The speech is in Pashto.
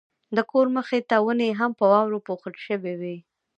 د کور مخې ته ونې هم په واورو پوښل شوې وې.